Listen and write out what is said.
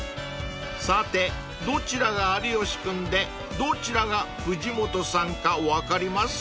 ［さてどちらが有吉君でどちらが藤本さんか分かります？］